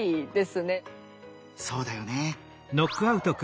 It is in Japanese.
そうだよね。